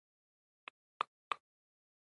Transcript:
د هدف پر ځای پروسې ته پام وکړئ.